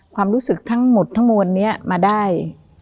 ความรู้สึกทั้งหมดทั้งมวลนี้มาได้